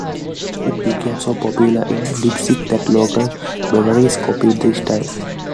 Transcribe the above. It became so popular in Leipzig that local breweries copied the style.